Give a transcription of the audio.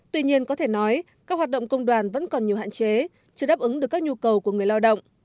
tuy nhiên có thể nói các hoạt động công đoàn vẫn còn nhiều hạn chế chưa đáp ứng được các nhu cầu của người lao động